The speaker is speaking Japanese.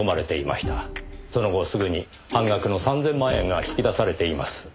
その後すぐに半額の３０００万円が引き出されています。